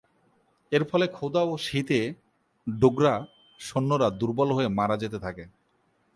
এর ফলে ক্ষুধা ও শীতে ডোগরা সৈন্যরা দুর্বল হয়ে মারা যেতে থাকে।